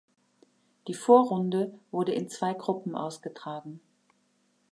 Die Vorrunde wurde in zwei Gruppen ausgetragen.